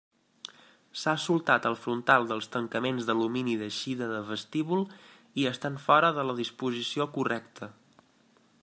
S'ha soltat el frontal dels tancaments d'alumini d'eixida de vestíbul, i estan fora de la disposició correcta.